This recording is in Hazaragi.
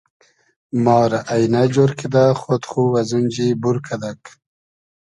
ما رۂ اݷنۂ جۉر کیدۂ خۉد خو ازونجی بور کئدئگ